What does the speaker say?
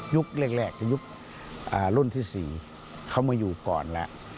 แรกยุครุ่นที่๔เขามาอยู่ก่อนแล้ว